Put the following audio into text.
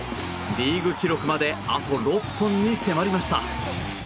リーグ記録まであと６本に迫りました。